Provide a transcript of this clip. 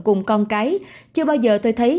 cùng con cái chưa bao giờ tôi thấy